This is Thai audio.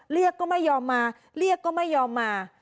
เรียกก็ไม่ยอมมาเรียกก็ไม่ยอมมา